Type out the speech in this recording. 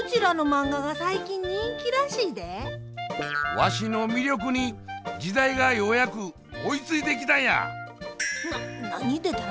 わしの魅力に時代がようやく追いついてきたんや。